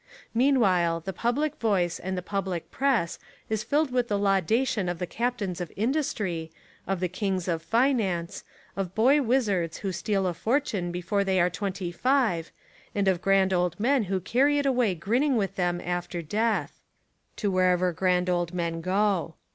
Meanwhile the public voice and the public press is filled with the laudation of the captains of industry, of the kings of finance, of boy wizards who steal a fortune before they are twenty five and of grand old men who carry it away grinning with them after death — to wherever grand old men go.